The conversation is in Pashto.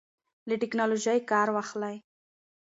له ټیکنالوژۍ کار واخلئ.